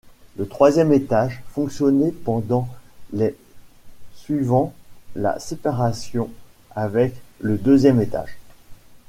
Le troisième étage fonctionnait pendant les suivant la séparation avec le deuxième étage.